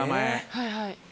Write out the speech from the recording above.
はいはい。